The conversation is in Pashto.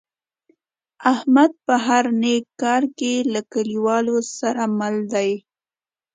احمد په هر نیک کار کې له کلیوالو سره مل دی.